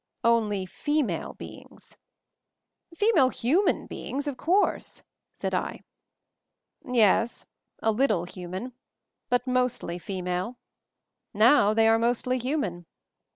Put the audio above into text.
"Only female beings." "Female human beings, of course," said I. "Yes; a little human, but mostly female. Now they are mostly human.